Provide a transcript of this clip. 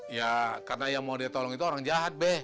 ya karena yang mau dia tolong itu orang jahat be